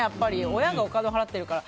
親がお金を払っているから。